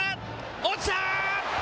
落ちた！